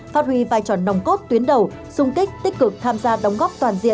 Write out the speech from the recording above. phát huy vai tròn nồng cốt tuyến đầu xung kích tích cực tham gia đóng góp toàn diện